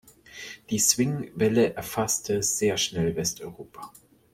Die Swing-Welle erfasste sehr schnell Westeuropa.